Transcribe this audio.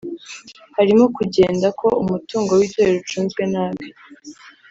harimo kugenda ko umutungo w’itorero ucunzwe nabi